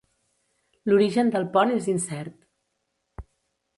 L'origen del pont és incert.